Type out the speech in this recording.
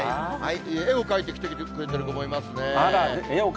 絵を描いてきてくれてる子もいますね。